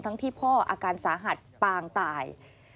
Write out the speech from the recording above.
ที่พ่ออาการสาหัสปางตาย